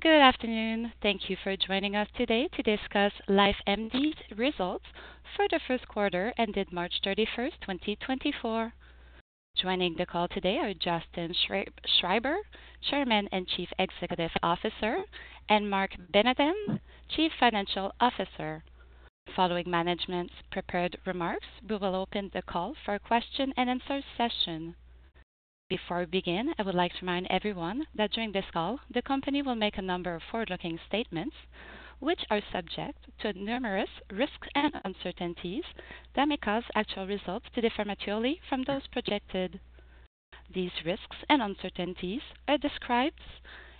Good afternoon. Thank you for joining us today to discuss LifeMD's results for the first quarter ended March 31st, 2024. Joining the call today are Justin Schreiber, Chairman and Chief Executive Officer, and Marc Benathen, Chief Financial Officer. Following management's prepared remarks, we will open the call for a question-and-answer session. Before we begin, I would like to remind everyone that during this call, the company will make a number of forward-looking statements, which are subject to numerous risks and uncertainties that may cause actual results to differ materially from those projected. These risks and uncertainties are described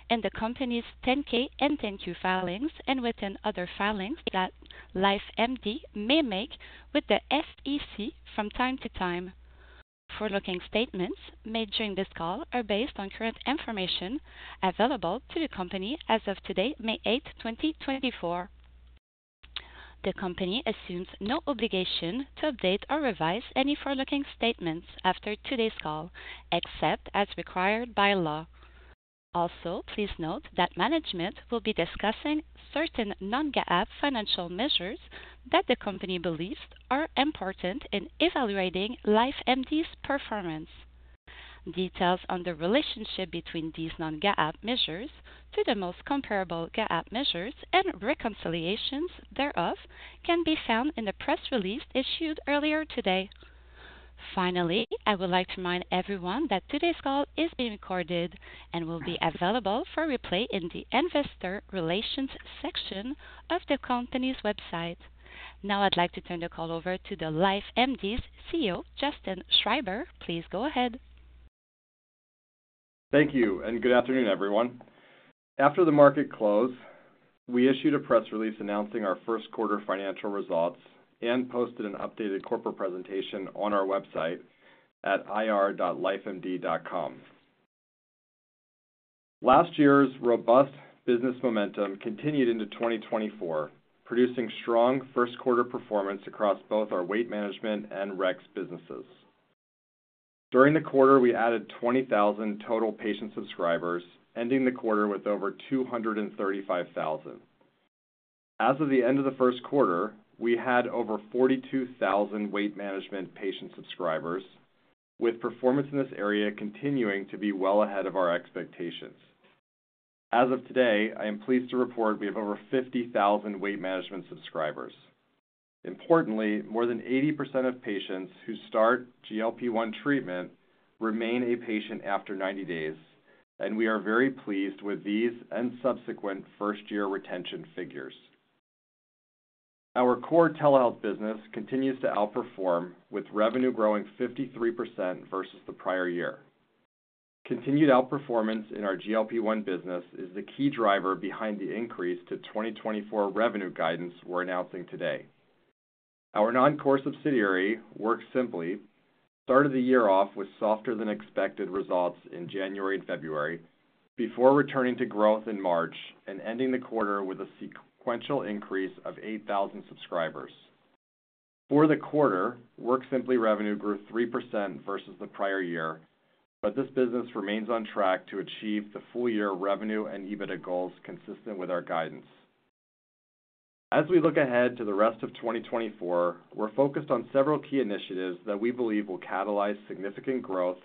in the company's 10-K and 10-Q filings and within other filings that LifeMD may make with the SEC from time to time. Forward-looking statements made during this call are based on current information available to the company as of today, May 8th, 2024. The company assumes no obligation to update or revise any forward-looking statements after today's call, except as required by law. Also, please note that management will be discussing certain non-GAAP financial measures that the company believes are important in evaluating LifeMD's performance. Details on the relationship between these non-GAAP measures to the most comparable GAAP measures and reconciliations thereof can be found in the press release issued earlier today. Finally, I would like to remind everyone that today's call is being recorded and will be available for replay in the Investor Relations section of the company's website. Now I'd like to turn the call over to LifeMD's CEO, Justin Schreiber. Please go ahead. Thank you, and good afternoon, everyone. After the market closed, we issued a press release announcing our first quarter financial results and posted an updated corporate presentation on our website at ir.lifemd.com. Last year's robust business momentum continued into 2024, producing strong first-quarter performance across both our weight management and Rex businesses. During the quarter, we added 20,000 total patient subscribers, ending the quarter with over 235,000. As of the end of the first quarter, we had over 42,000 weight management patient subscribers, with performance in this area continuing to be well ahead of our expectations. As of today, I am pleased to report we have over 50,000 weight management subscribers. Importantly, more than 80% of patients who start GLP-1 treatment remain a patient after 90 days, and we are very pleased with these and subsequent first-year retention figures. Our core telehealth business continues to outperform, with revenue growing 53% versus the prior year. Continued outperformance in our GLP-1 business is the key driver behind the increase to 2024 revenue guidance we're announcing today. Our non-core subsidiary, WorkSimpli, started the year off with softer-than-expected results in January and February before returning to growth in March and ending the quarter with a sequential increase of 8,000 subscribers. For the quarter, WorkSimpli revenue grew 3% versus the prior year, but this business remains on track to achieve the full-year revenue and EBITDA goals consistent with our guidance. As we look ahead to the rest of 2024, we're focused on several key initiatives that we believe will catalyze significant growth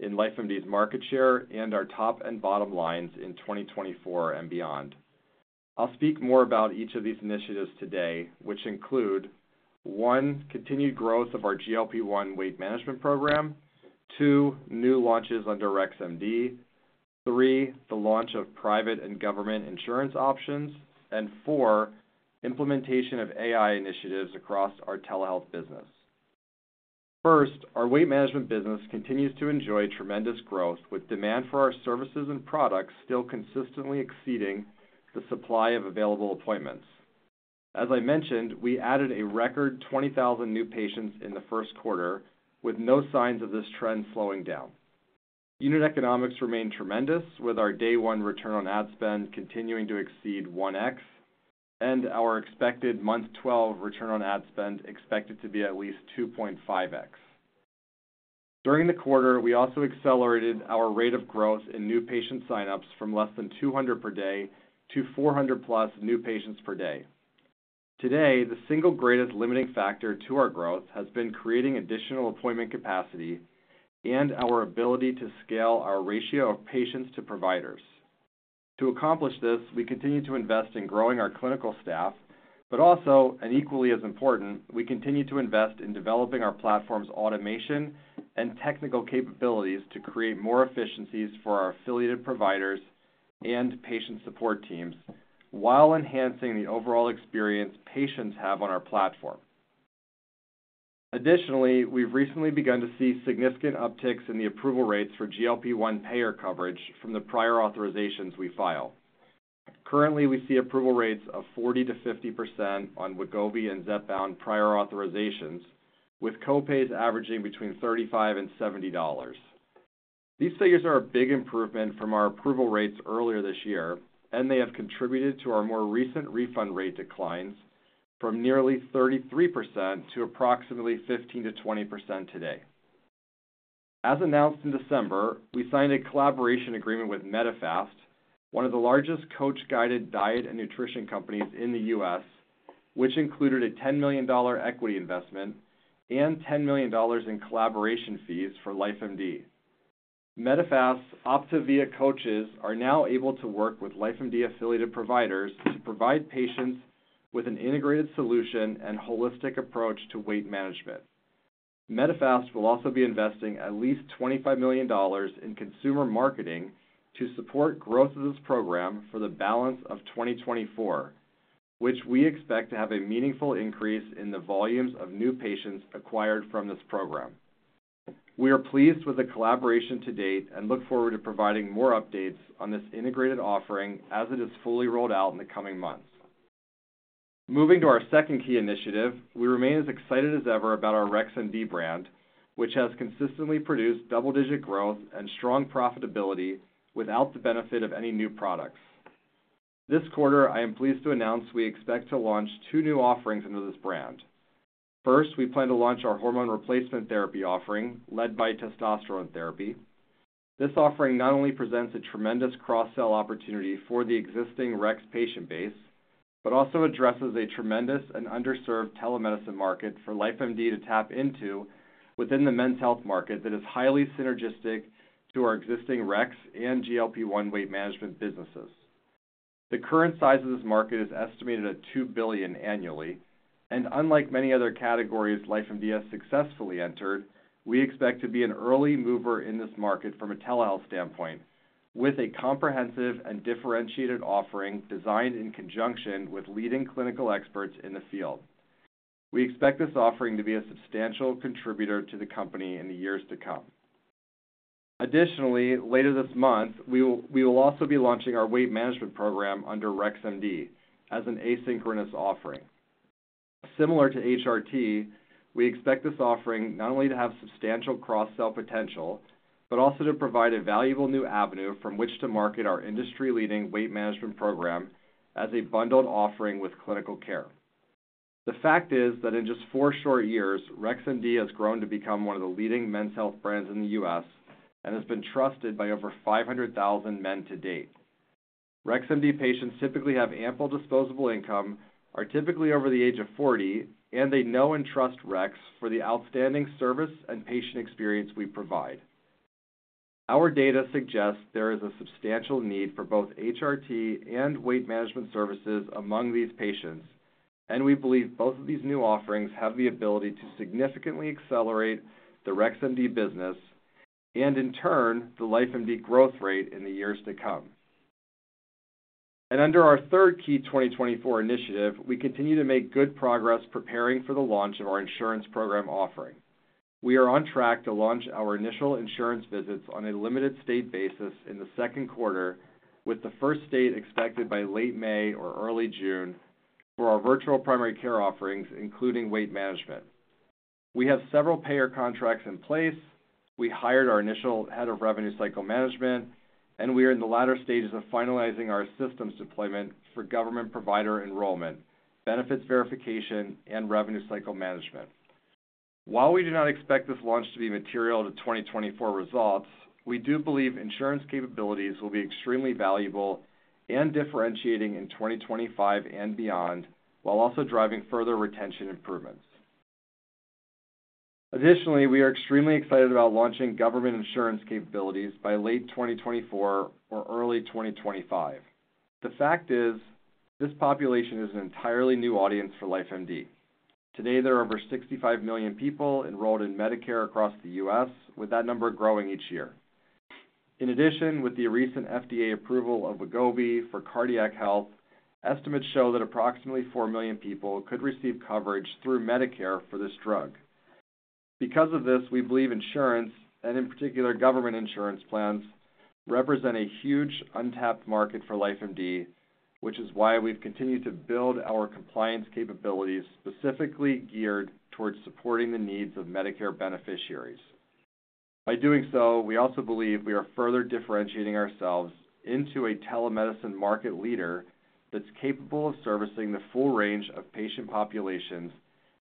in LifeMD's market share and our top and bottom lines in 2024 and beyond. I'll speak more about each of these initiatives today, which include: 1) continued growth of our GLP-1 weight management program, 2) new launches under REX MD, 3) the launch of private and government insurance options, and 4) implementation of AI initiatives across our telehealth business. First, our weight management business continues to enjoy tremendous growth, with demand for our services and products still consistently exceeding the supply of available appointments. As I mentioned, we added a record 20,000 new patients in the first quarter, with no signs of this trend slowing down. Unit economics remain tremendous, with our day-one return on ad spend continuing to exceed 1x and our expected month 12 return on ad spend expected to be at least 2.5x. During the quarter, we also accelerated our rate of growth in new patient signups from less than 200 per day to 400+ new patients per day. Today, the single greatest limiting factor to our growth has been creating additional appointment capacity and our ability to scale our ratio of patients to providers. To accomplish this, we continue to invest in growing our clinical staff, but also, and equally as important, we continue to invest in developing our platform's automation and technical capabilities to create more efficiencies for our affiliated providers and patient support teams while enhancing the overall experience patients have on our platform. Additionally, we've recently begun to see significant upticks in the approval rates for GLP-1 payer coverage from the prior authorizations we file. Currently, we see approval rates of 40%-50% on Wegovy and Zepbound prior authorizations, with copays averaging between $35 and $70. These figures are a big improvement from our approval rates earlier this year, and they have contributed to our more recent refund rate declines from nearly 33% to approximately 15%-20% today. As announced in December, we signed a collaboration agreement with Medifast, one of the largest coach-guided diet and nutrition companies in the U.S., which included a $10 million equity investment and $10 million in collaboration fees for LifeMD. Medifast's OPTAVIA coaches are now able to work with LifeMD affiliated providers to provide patients with an integrated solution and holistic approach to weight management. Medifast will also be investing at least $25 million in consumer marketing to support growth of this program for the balance of 2024, which we expect to have a meaningful increase in the volumes of new patients acquired from this program. We are pleased with the collaboration to date and look forward to providing more updates on this integrated offering as it is fully rolled out in the coming months. Moving to our second key initiative, we remain as excited as ever about our REX MD brand, which has consistently produced double-digit growth and strong profitability without the benefit of any new products. This quarter, I am pleased to announce we expect to launch two new offerings under this brand. First, we plan to launch our hormone replacement therapy offering led by testosterone therapy. This offering not only presents a tremendous cross-sell opportunity for the existing Rex patient base but also addresses a tremendous and underserved telemedicine market for LifeMD to tap into within the men's health market that is highly synergistic to our existing Rex and GLP-1 weight management businesses. The current size of this market is estimated at $2 billion annually, and unlike many other categories LifeMD has successfully entered, we expect to be an early mover in this market from a telehealth standpoint with a comprehensive and differentiated offering designed in conjunction with leading clinical experts in the field. We expect this offering to be a substantial contributor to the company in the years to come. Additionally, later this month, we will also be launching our weight management program under REX MD as an asynchronous offering. Similar to HRT, we expect this offering not only to have substantial cross-sell potential but also to provide a valuable new avenue from which to market our industry-leading weight management program as a bundled offering with clinical care. The fact is that in just four short years, REX MD has grown to become one of the leading men's health brands in the U.S. and has been trusted by over 500,000 men to date. REX MD patients typically have ample disposable income, are typically over the age of 40, and they know and trust Rex for the outstanding service and patient experience we provide. Our data suggests there is a substantial need for both HRT and weight management services among these patients, and we believe both of these new offerings have the ability to significantly accelerate the REX MD business and, in turn, the LifeMD growth rate in the years to come. Under our third key 2024 initiative, we continue to make good progress preparing for the launch of our insurance program offering. We are on track to launch our initial insurance visits on a limited-state basis in the second quarter, with the first state expected by late May or early June for our virtual primary care offerings, including weight management. We have several payer contracts in place, we hired our initial head of revenue cycle management, and we are in the latter stages of finalizing our systems deployment for government provider enrollment, benefits verification, and revenue cycle management. While we do not expect this launch to be material to 2024 results, we do believe insurance capabilities will be extremely valuable and differentiating in 2025 and beyond while also driving further retention improvements. Additionally, we are extremely excited about launching government insurance capabilities by late 2024 or early 2025. The fact is, this population is an entirely new audience for LifeMD. Today, there are over 65 million people enrolled in Medicare across the U.S., with that number growing each year. In addition, with the recent FDA approval of Wegovy for cardiac health, estimates show that approximately 4 million people could receive coverage through Medicare for this drug. Because of this, we believe insurance, and in particular government insurance plans, represent a huge untapped market for LifeMD, which is why we've continued to build our compliance capabilities specifically geared towards supporting the needs of Medicare beneficiaries. By doing so, we also believe we are further differentiating ourselves into a telemedicine market leader that's capable of servicing the full range of patient populations and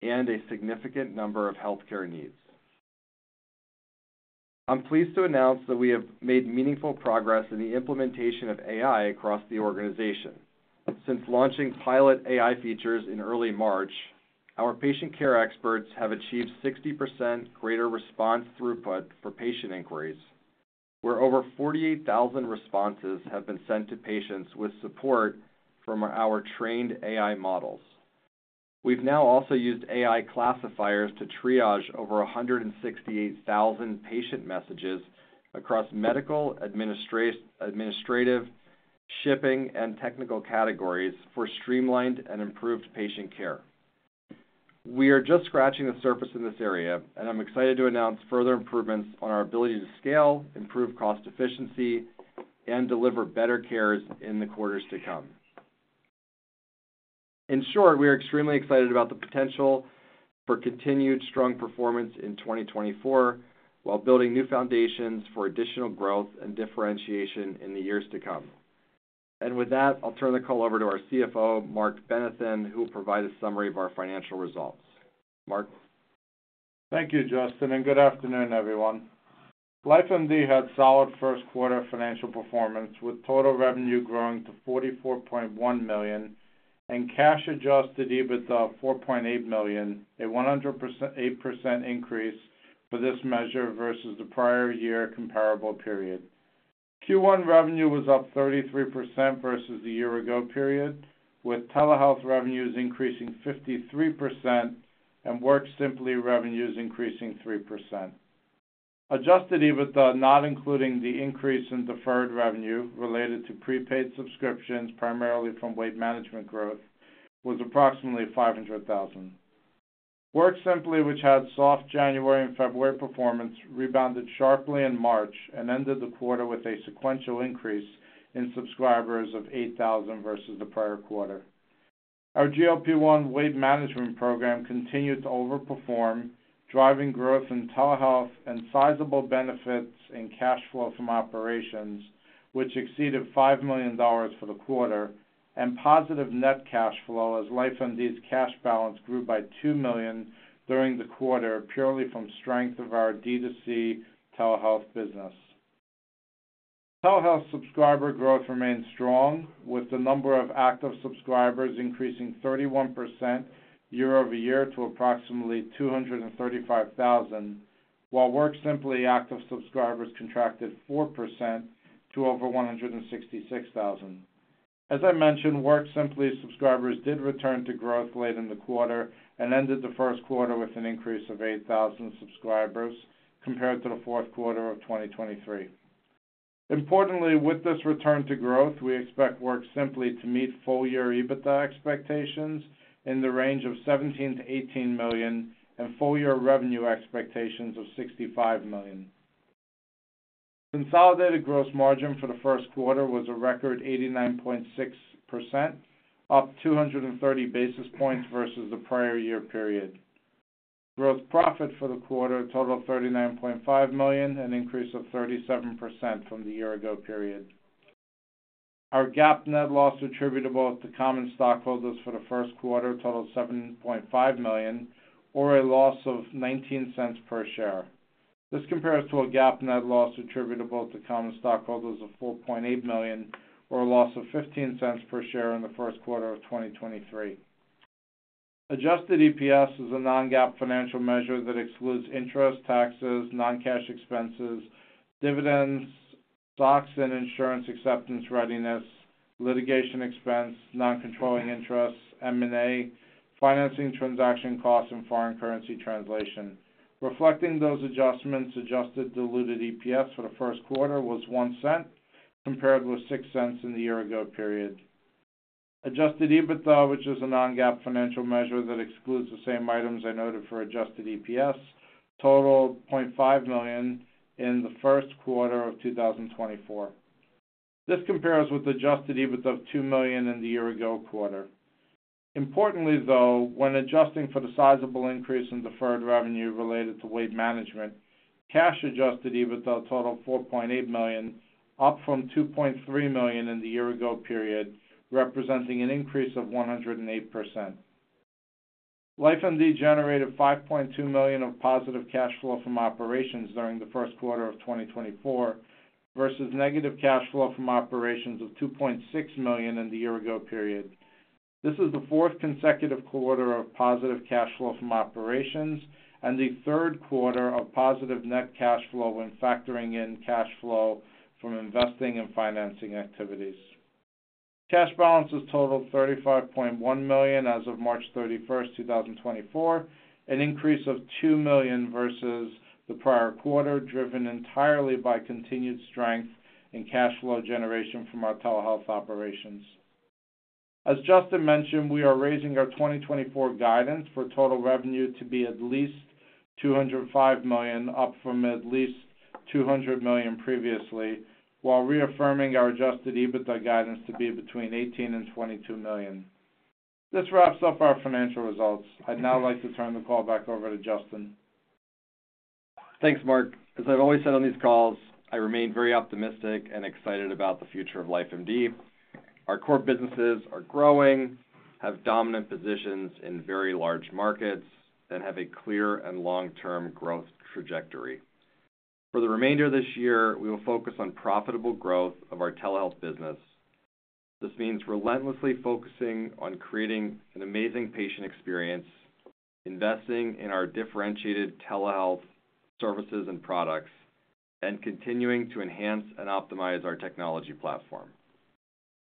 a significant number of healthcare needs. I'm pleased to announce that we have made meaningful progress in the implementation of AI across the organization. Since launching pilot AI features in early March, our patient care experts have achieved 60% greater response throughput for patient inquiries, where over 48,000 responses have been sent to patients with support from our trained AI models. We've now also used AI classifiers to triage over 168,000 patient messages across medical, administrative, shipping, and technical categories for streamlined and improved patient care. We are just scratching the surface in this area, and I'm excited to announce further improvements on our ability to scale, improve cost efficiency, and deliver better care in the quarters to come. In short, we are extremely excited about the potential for continued strong performance in 2024 while building new foundations for additional growth and differentiation in the years to come. And with that, I'll turn the call over to our CFO, Marc Benathen, who will provide a summary of our financial results. Marc? Thank you, Justin, and good afternoon, everyone. LifeMD had solid first-quarter financial performance, with total revenue growing to $44.1 million and Cash-Adjusted EBITDA of $4.8 million, a 108% increase for this measure versus the prior year comparable period. Q1 revenue was up 33% versus the year ago, with telehealth revenues increasing 53% and WorkSimpli revenues increasing 3%. Adjusted EBITDA, not including the increase in deferred revenue related to prepaid subscriptions, primarily from weight management growth, was approximately $500,000. WorkSimpli, which had soft January and February performance, rebounded sharply in March and ended the quarter with a sequential increase in subscribers of 8,000 versus the prior quarter. Our GLP-1 weight management program continued to overperform, driving growth in telehealth and sizable benefits in cash flow from operations, which exceeded $5 million for the quarter, and positive net cash flow as LifeMD's cash balance grew by $2 million during the quarter purely from strength of our D2C telehealth business. Telehealth subscriber growth remained strong, with the number of active subscribers increasing 31% year-over-year to approximately 235,000, while WorkSimpli active subscribers contracted 4% to over 166,000. As I mentioned, WorkSimpli subscribers did return to growth late in the quarter and ended the first quarter with an increase of 8,000 subscribers compared to the fourth quarter of 2023. Importantly, with this return to growth, we expect WorkSimpli to meet full-year EBITDA expectations in the range of $17 million-$18 million and full-year revenue expectations of $65 million. Consolidated gross margin for the first quarter was a record 89.6%, up 230 basis points versus the prior year period. Gross profit for the quarter totaled $39.5 million, an increase of 37% from the year ago. Our GAAP net loss attributable to common stockholders for the first quarter totaled $7.5 million, or a loss of $0.19 per share. This compares to a GAAP net loss attributable to common stockholders of $4.8 million, or a loss of $0.15 per share in the first quarter of 2023. Adjusted EPS is a non-GAAP financial measure that excludes interest, taxes, non-cash expenses, dividends, stock-based compensation and insurance acceptance readiness, litigation expense, non-controlling interests, M&A, financing transaction costs, and foreign currency translation. Reflecting those adjustments, adjusted diluted EPS for the first quarter was $0.01 compared with $0.06 in the year ago. Adjusted EBITDA, which is a non-GAAP financial measure that excludes the same items I noted for Adjusted EPS, totaled $0.5 million in the first quarter of 2024. This compares with Adjusted EBITDA of $2 million in the year ago quarter. Importantly, though, when adjusting for the sizable increase in deferred revenue related to weight management, Cash-Adjusted EBITDA totaled $4.8 million, up from $2.3 million in the year ago period, representing an increase of 108%. LifeMD generated $5.2 million of positive cash flow from operations during the first quarter of 2024 versus negative cash flow from operations of $2.6 million in the year ago period. This is the fourth consecutive quarter of positive cash flow from operations and the third quarter of positive net cash flow when factoring in cash flow from investing and financing activities. Cash balance has totaled $35.1 million as of March 31, 2024, an increase of $2 million versus the prior quarter driven entirely by continued strength in cash flow generation from our telehealth operations. As Justin mentioned, we are raising our 2024 guidance for total revenue to be at least $205 million, up from at least $200 million previously, while reaffirming our Adjusted EBITDA guidance to be between $18 million and $22 million. This wraps up our financial results. I'd now like to turn the call back over to Justin. Thanks, Marc. As I've always said on these calls, I remain very optimistic and excited about the future of LifeMD. Our core businesses are growing, have dominant positions in very large markets, and have a clear and long-term growth trajectory. For the remainder of this year, we will focus on profitable growth of our telehealth business. This means relentlessly focusing on creating an amazing patient experience, investing in our differentiated telehealth services and products, and continuing to enhance and optimize our technology platform.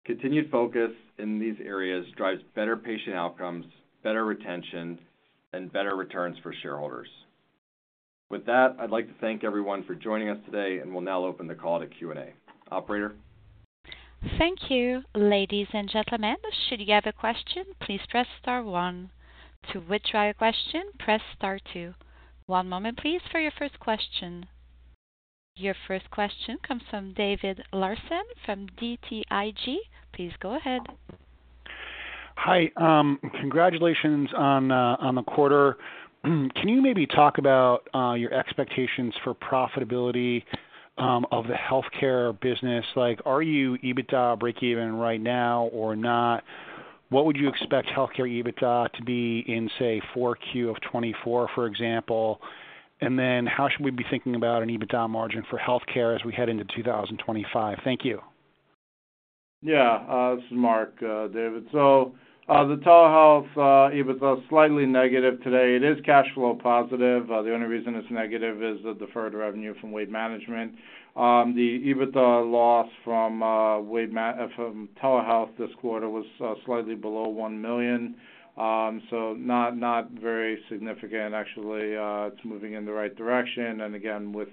Continued focus in these areas drives better patient outcomes, better retention, and better returns for shareholders. With that, I'd like to thank everyone for joining us today, and we'll now open the call to Q&A. Operator? Thank you, ladies and gentlemen. Should you have a question, please press star 1. To withdraw your question, press star 2. One moment, please, for your first question. Your first question comes from David Larsen from BTIG. Please go ahead. Hi. Congratulations on the quarter. Can you maybe talk about your expectations for profitability of the healthcare business? Are you EBITDA breakeven right now or not? What would you expect healthcare EBITDA to be in, say, 4Q of 2024, for example? Then how should we be thinking about an EBITDA margin for healthcare as we head into 2025? Thank you. Yeah. This is Marc, David. So the telehealth EBITDA is slightly negative today. It is cash flow positive. The only reason it's negative is the deferred revenue from weight management. The EBITDA loss from telehealth this quarter was slightly below $1 million, so not very significant, actually. It's moving in the right direction. And again, with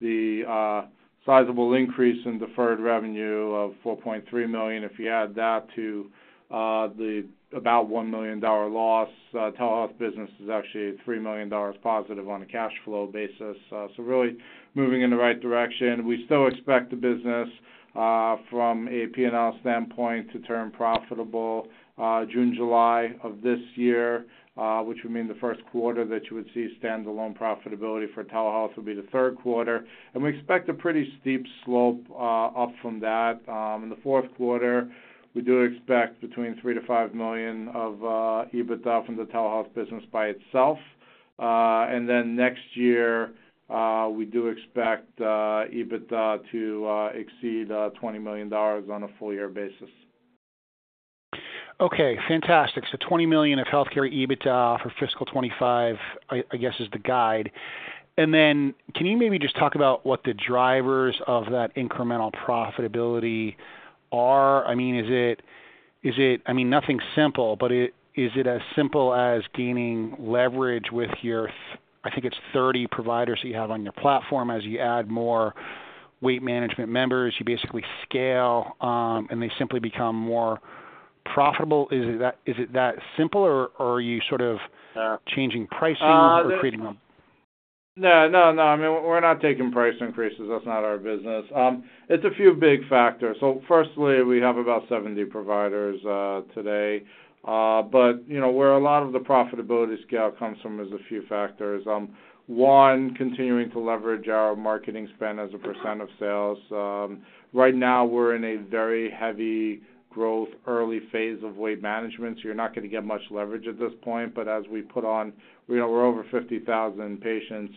the sizable increase in deferred revenue of $4.3 million, if you add that to the about $1 million loss, telehealth business is actually $3 million positive on a cash flow basis. So really moving in the right direction. We still expect the business, from a P&L standpoint, to turn profitable June/July of this year, which would mean the first quarter that you would see standalone profitability for telehealth would be the third quarter. And we expect a pretty steep slope up from that. In the fourth quarter, we do expect between $3 million-$5 million of EBITDA from the telehealth business by itself. Next year, we do expect EBITDA to exceed $20 million on a full-year basis. Okay. Fantastic. So $20 million of healthcare EBITDA for fiscal 2025, I guess, is the guide. And then can you maybe just talk about what the drivers of that incremental profitability are? I mean, is it I mean, nothing simple, but is it as simple as gaining leverage with your I think it's 30 providers that you have on your platform. As you add more weight management members, you basically scale, and they simply become more profitable. Is it that simple, or are you sort of changing pricing or creating a? No, no, no. I mean, we're not taking price increases. That's not our business. It's a few big factors. So firstly, we have about 70 providers today. But where a lot of the profitability scale comes from is a few factors. One, continuing to leverage our marketing spend as a percent of sales. Right now, we're in a very heavy growth early phase of weight management, so you're not going to get much leverage at this point. But as we put on, we're over 50,000 patients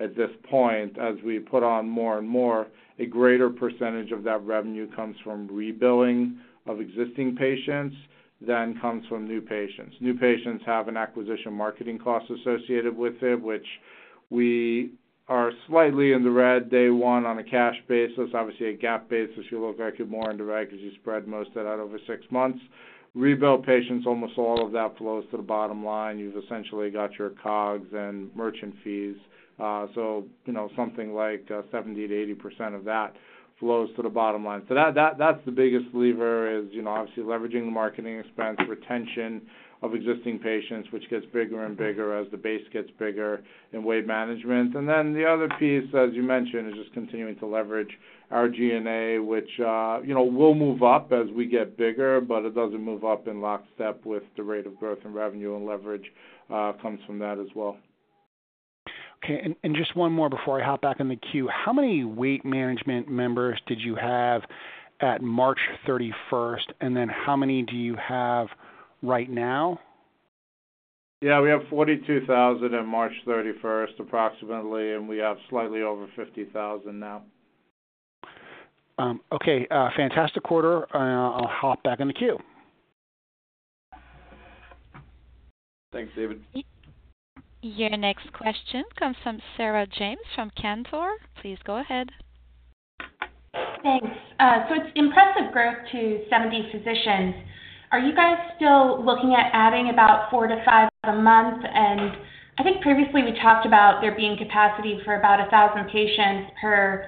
at this point. As we put on more and more, a greater percentage of that revenue comes from rebilling of existing patients than comes from new patients. New patients have an acquisition marketing cost associated with it, which we are slightly in the red day one on a cash basis, obviously a GAAP basis. You look like you're more in the red because you spread most of that out over six months. Rebill patients, almost all of that flows to the bottom line. You've essentially got your COGS and merchant fees. So something like 70%-80% of that flows to the bottom line. So that's the biggest lever, is obviously leveraging the marketing expense, retention of existing patients, which gets bigger and bigger as the base gets bigger in weight management. And then the other piece, as you mentioned, is just continuing to leverage our G&A, which will move up as we get bigger, but it doesn't move up in lockstep with the rate of growth and revenue, and leverage comes from that as well. Okay. Just one more before I hop back in the queue. How many weight management members did you have at March 31st, and then how many do you have right now? Yeah. We have 42,000 on March 31st, approximately, and we have slightly over 50,000 now. Okay. Fantastic quarter. I'll hop back in the queue. Thanks, David. Your next question comes from Sarah James from Cantor. Please go ahead. Thanks. So it's impressive growth to 70 physicians. Are you guys still looking at adding about 4-5 a month? And I think previously we talked about there being capacity for about 1,000 patients per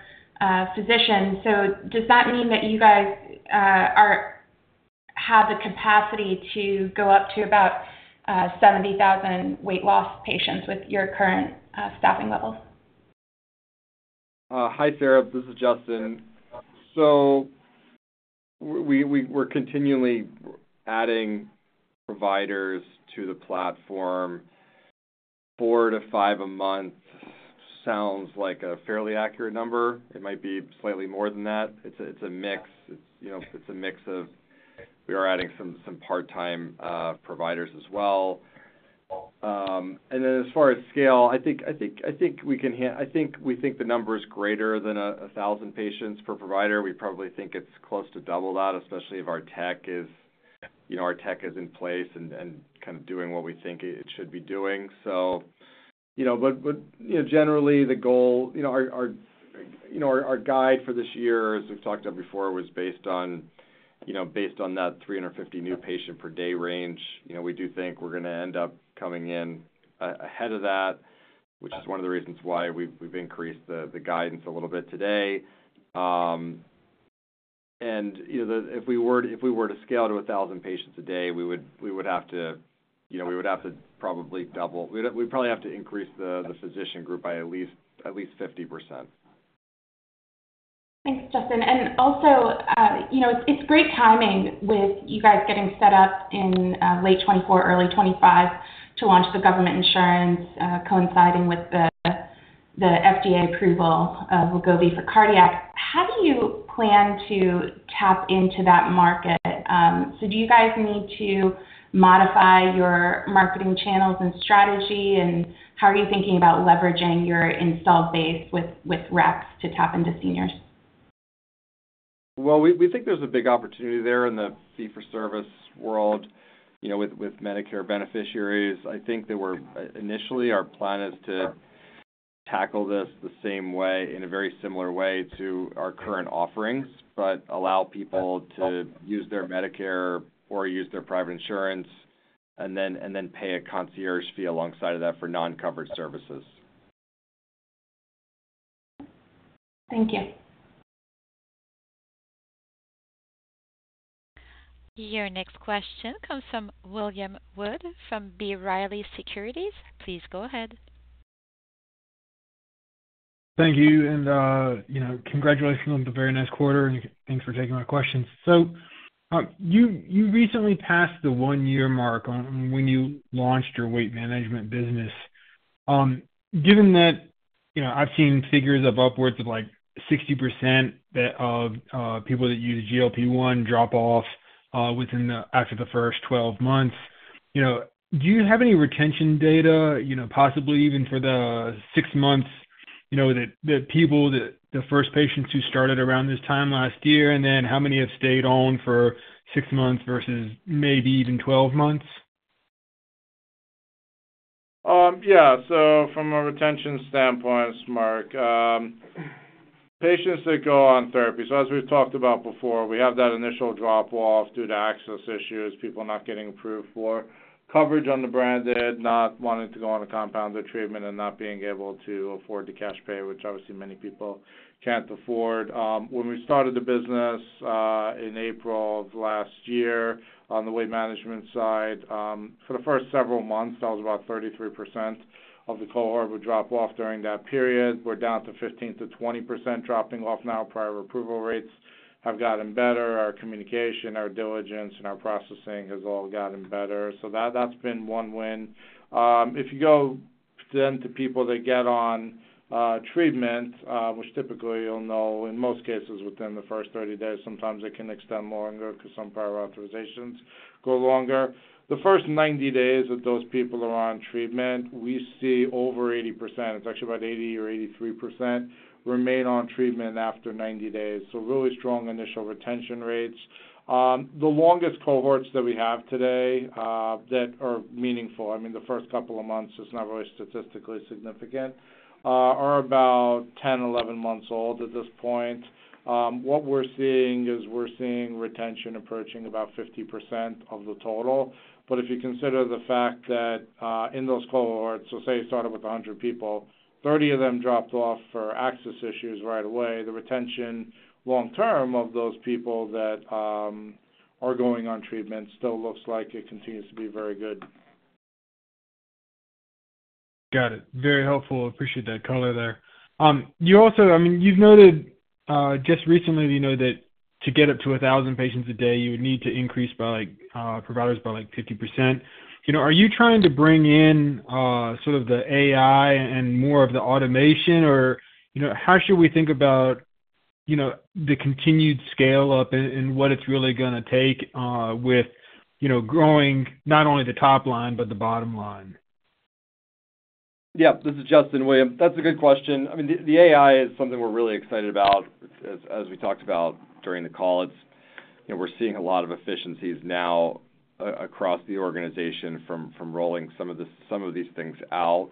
physician. So does that mean that you guys have the capacity to go up to about 70,000 weight loss patients with your current staffing levels? Hi, Sarah. This is Justin. So we're continually adding providers to the platform 4-5 a month sounds like a fairly accurate number. It might be slightly more than that. It's a mix. It's a mix of we are adding some part-time providers as well. And then as far as scale, I think we can I think we think the number is greater than 1,000 patients per provider. We probably think it's close to double that, especially if our tech is our tech is in place and kind of doing what we think it should be doing. But generally, the goal our guide for this year, as we've talked about before, was based on that 350 new patient per day range. We do think we're going to end up coming in ahead of that, which is one of the reasons why we've increased the guidance a little bit today. If we were to scale to 1,000 patients a day, we would have to probably double. We'd probably have to increase the physician group by at least 50%. Thanks, Justin. And also, it's great timing with you guys getting set up in late 2024, early 2025 to launch the government insurance, coinciding with the FDA approval of Wegovy for cardiac. How do you plan to tap into that market? So do you guys need to modify your marketing channels and strategy? And how are you thinking about leveraging your installed base with reps to tap into seniors? Well, we think there's a big opportunity there in the fee-for-service world with Medicare beneficiaries. I think that we're initially, our plan is to tackle this the same way, in a very similar way to our current offerings, but allow people to use their Medicare or use their private insurance and then pay a concierge fee alongside of that for non-covered services. Thank you. Your next question comes from William Wood from B. Riley Securities. Please go ahead. Thank you. Congratulations on the very nice quarter, and thanks for taking my questions. You recently passed the 1-year mark when you launched your weight management business. Given that I've seen figures of upwards of 60% of people that use GLP-1 drop off after the first 12 months, do you have any retention data, possibly even for the 6 months, that people, the first patients who started around this time last year, and then how many have stayed on for 6 months versus maybe even 12 months? Yeah. So from a retention standpoint, Marc, patients that go on therapy, so as we've talked about before, we have that initial drop-off due to access issues, people not getting approved for coverage under branded, not wanting to go on a compounded treatment, and not being able to afford to cash pay, which obviously many people can't afford. When we started the business in April of last year on the weight management side, for the first several months, that was about 33% of the cohort would drop off during that period. We're down to 15%-20% dropping off now. Prior approval rates have gotten better. Our communication, our diligence, and our processing has all gotten better. So that's been one win. If you go then to people that get on treatment, which typically you'll know, in most cases, within the first 30 days, sometimes it can extend longer because some prior authorizations go longer. The first 90 days that those people are on treatment, we see over 80%. It's actually about 80% or 83% remain on treatment after 90 days. So really strong initial retention rates. The longest cohorts that we have today that are meaningful, I mean, the first couple of months, it's not really statistically significant, are about 10, 11 months old at this point. What we're seeing is we're seeing retention approaching about 50% of the total. If you consider the fact that in those cohorts so say you started with 100 people, 30 of them dropped off for access issues right away, the retention long-term of those people that are going on treatment still looks like it continues to be very good. Got it. Very helpful. Appreciate that color there. I mean, you've noted just recently that to get up to 1,000 patients a day, you would need to increase providers by 50%. Are you trying to bring in sort of the AI and more of the automation, or how should we think about the continued scale-up and what it's really going to take with growing not only the top line but the bottom line? Yeah. This is Justin, William. That's a good question. I mean, the AI is something we're really excited about. As we talked about during the call, we're seeing a lot of efficiencies now across the organization from rolling some of these things out.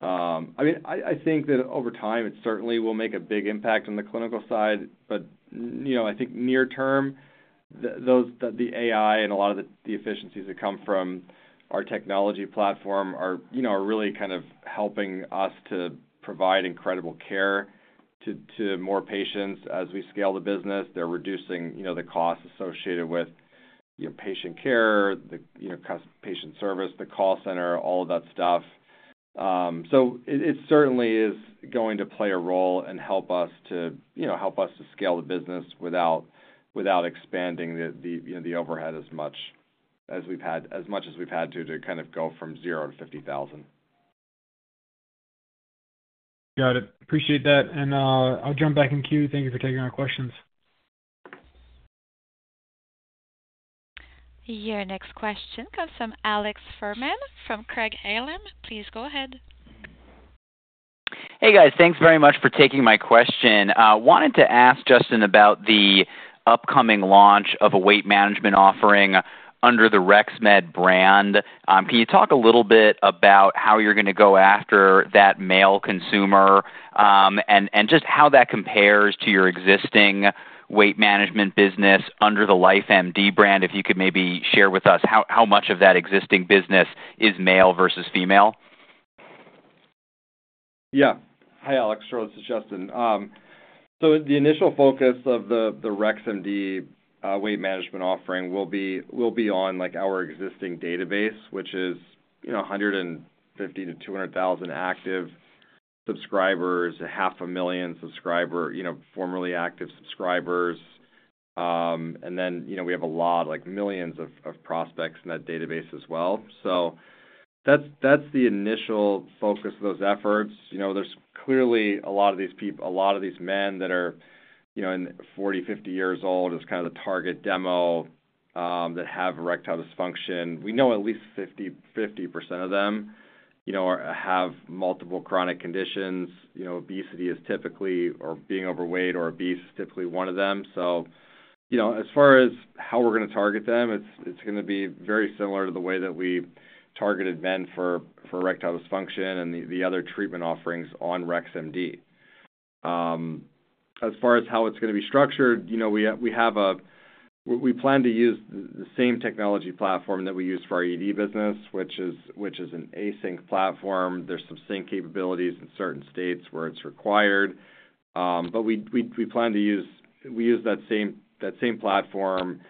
I mean, I think that over time, it certainly will make a big impact on the clinical side. But I think near term, the AI and a lot of the efficiencies that come from our technology platform are really kind of helping us to provide incredible care to more patients as we scale the business. They're reducing the costs associated with patient care, the patient service, the call center, all of that stuff. So it certainly is going to play a role and help us scale the business without expanding the overhead as much as we've had to kind of go from 0-50,000. Got it. Appreciate that. I'll jump back in queue. Thank you for taking my questions. Your next question comes from Alex Fuhrman from Craig-Hallum. Please go ahead. Hey, guys. Thanks very much for taking my question. Wanted to ask Justin about the upcoming launch of a weight management offering under the REX MD brand. Can you talk a little bit about how you're going to go after that male consumer and just how that compares to your existing weight management business under the LifeMD brand? If you could maybe share with us how much of that existing business is male versus female. Yeah. Hi, Alex. This is Justin. So the initial focus of the REX MD weight management offering will be on our existing database, which is 150,000-200,000 active subscribers, 500,000 subscriber, formerly active subscribers. And then we have a lot, millions of prospects in that database as well. So that's the initial focus of those efforts. There's clearly a lot of these men that are 40-50 years old as kind of the target demo that have erectile dysfunction. We know at least 50% of them have multiple chronic conditions. Obesity is typically or being overweight or obese is typically one of them. So as far as how we're going to target them, it's going to be very similar to the way that we targeted men for erectile dysfunction and the other treatment offerings on REX MD. As far as how it's going to be structured, we plan to use the same technology platform that we use for our ED business, which is an async platform. There's some sync capabilities in certain states where it's required. But we plan to use that same platform.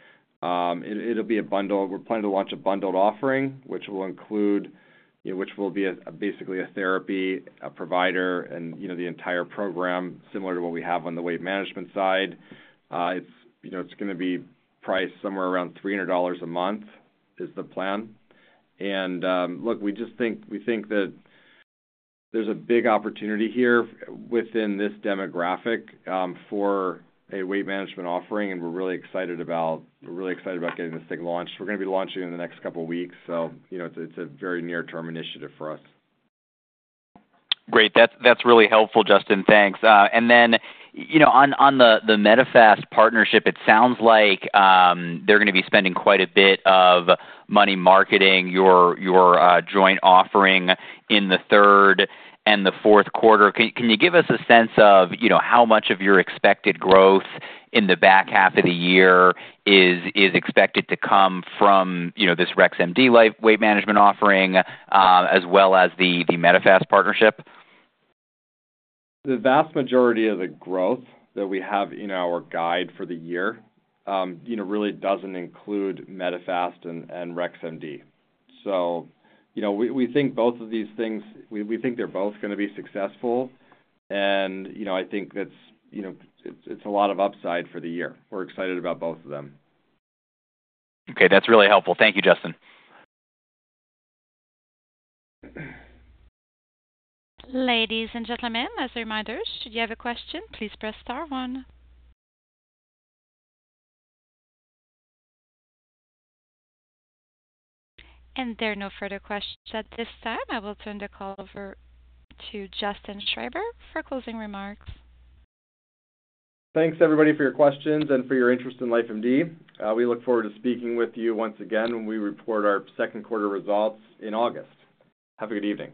It'll be a bundle. We're planning to launch a bundled offering, which will be basically a therapy, a provider, and the entire program similar to what we have on the weight management side. It's going to be priced somewhere around $300 a month, is the plan. And look, we just think that there's a big opportunity here within this demographic for a weight management offering, and we're really excited about getting this thing launched. We're going to be launching it in the next couple of weeks. It's a very near-term initiative for us. Great. That's really helpful, Justin. Thanks. And then on the Medifast partnership, it sounds like they're going to be spending quite a bit of money marketing your joint offering in the third and the fourth quarter. Can you give us a sense of how much of your expected growth in the back half of the year is expected to come from this REX MD weight management offering as well as the Medifast partnership? The vast majority of the growth that we have in our guide for the year really doesn't include Medifast and REX MD. We think both of these things we think they're both going to be successful. I think that's a lot of upside for the year. We're excited about both of them. Okay. That's really helpful. Thank you, Justin. Ladies and gentlemen, as a reminder, should you have a question, please press star one. There are no further questions at this time. I will turn the call over to Justin Schreiber for closing remarks. Thanks, everybody, for your questions and for your interest in LifeMD. We look forward to speaking with you once again when we report our second quarter results in August. Have a good evening.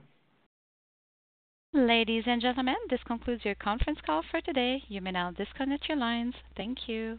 Ladies and gentlemen, this concludes your conference call for today. You may now disconnect your lines. Thank you.